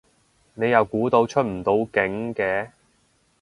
你又估到出唔到境嘅